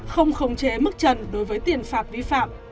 không khống chế mức trần đối với tiền phạt vi phạm